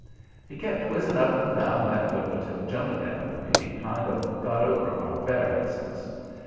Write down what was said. He kept whizzing up and down that river till Jonadab and me kind of got over our variousness.